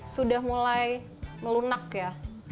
sudah mulai melunak ya